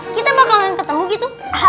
kita bakalan ketemu gitu